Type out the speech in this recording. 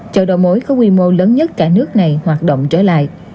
chợ đầu mối có quy mô lớn nhất cả nước này hoạt động trở lại